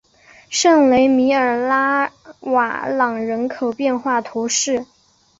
圣雷米拉瓦朗人口变化图示